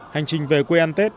hành trình về quê an tết